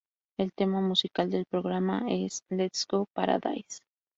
El tema musical del programa es "Let's Go Paradise".